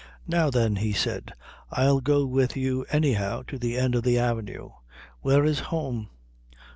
"Now then," he said, "I'll go with you anyhow to the end of the avenue. Where is home?"